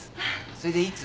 それでいつ？